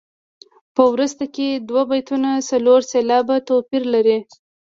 په وروسته کې دوه بیتونه څلور سېلابه توپیر لري.